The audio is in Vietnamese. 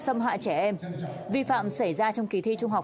xâm hại trẻ em vi phạm xảy ra trong kỳ thi trung học